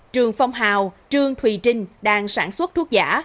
trường phong hào trường thùy trinh đang sản xuất thuốc giả